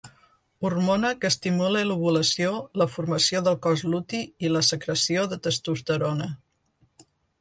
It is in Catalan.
Hormona que estimula l'ovulació, la formació del cos luti i la secreció de testosterona.